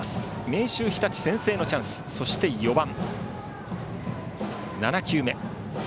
明秀日立、先制のチャンスそして４番。